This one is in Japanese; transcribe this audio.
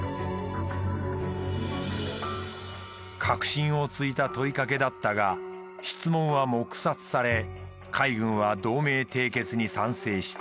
核心をついた問いかけだったが質問は黙殺され海軍は同盟締結に賛成した。